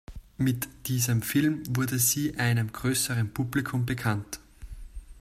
Mit diesem Film wurde sie einem größeren Publikum bekannt.